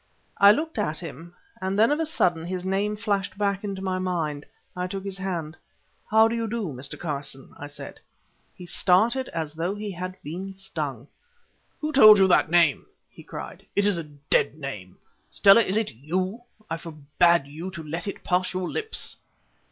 I looked at him, and then of a sudden his name flashed back into my mind. I took his hand. "How do you do, Mr. Carson?" I said. He started as though he had been stung. "Who told you that name?" he cried. "It is a dead name. Stella, is it you? I forbade you to let it pass your lips."